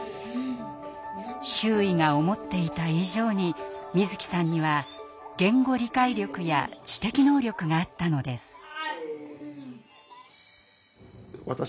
周囲が思っていた以上にみづきさんには言語理解力や知的能力があったのです。